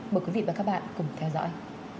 mời quý vị và các bạn cùng theo dõi